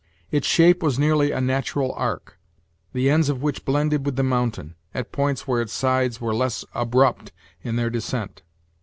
Its shape was nearly a natural arc, the ends of which blended with the mountain, at points where its sides were less abrupt in their descent.